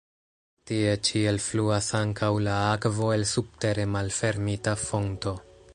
Tie ĉi elfluas ankaŭ la akvo el subtere malfermita fonto.